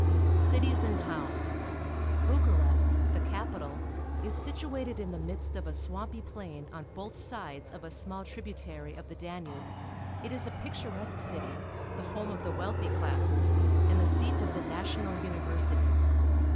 Cities and Towns. — Bucharest, the capital is situated in tlie midst of a swampy plain on both sides of a small tributary of the Danube. It is a picturesque city, the home of the wealthy classes, and the .seat of the national university.